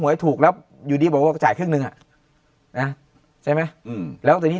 ยังฐูกแล้วอยู่ดีบ่อยป่ากระจายครึ่งนึงอ่ะใช่ไหมแล้ววันนี้